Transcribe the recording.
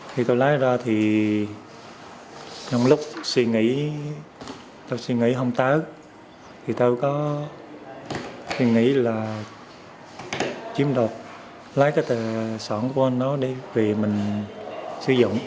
khi tôi lái ra thì trong lúc suy nghĩ tôi suy nghĩ không tới thì tôi có suy nghĩ là chiếm đoạt lái cái tài sản của anh đó để về mình sử dụng